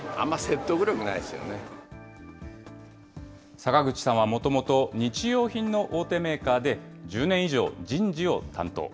坂口さんはもともと、日用品の大手メーカーで、１０年以上、人事を担当。